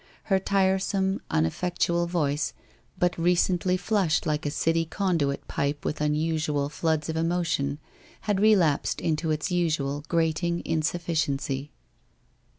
Her tiresome, uneffectual voice, but recently flushed like a city conduit pipe with unusual floods of emotion, had relapsed into its usual grating insufficiency.